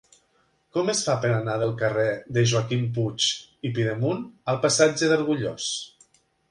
Com es fa per anar del carrer de Joaquim Puig i Pidemunt al passatge d'Argullós?